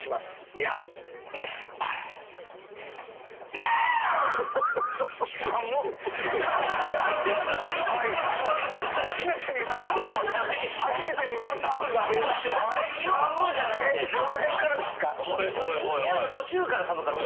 「にゃー」の途中からサムかった。